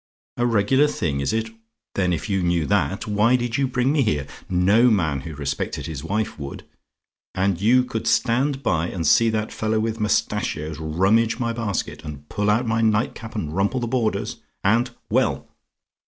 "A REGULAR THING, IS IT? "Then if you knew that, why did you bring me here? No man who respected his wife would. And you could stand by, and see that fellow with mustachios rummage my basket; and pull out my night cap and rumple the borders, and well!